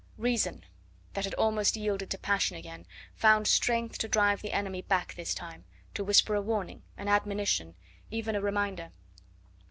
Reason, that had almost yielded to passion again, found strength to drive the enemy back this time, to whisper a warning, an admonition, even a reminder.